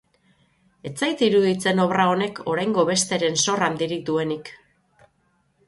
Ez zait iruditzen obra honek oraingo besteren zor handirik duenik.